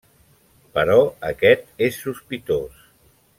Però aquest és sospitós.